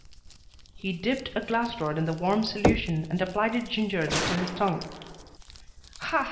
He dipped a glass rod in the warm solution and applied it gingerly to his tongue. "Ha!"